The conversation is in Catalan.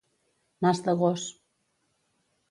Nas de gos.